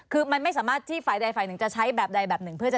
คือมันไม่สามารถที่ฝ่ายใดฝ่ายหนึ่งจะใช้แบบใดแบบหนึ่งเพื่อจะ